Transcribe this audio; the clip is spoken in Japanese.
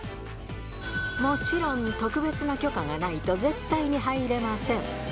もちろん特別な許可がないと絶対に入れません。